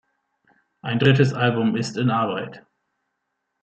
Ein drittes Album ist in Arbeit.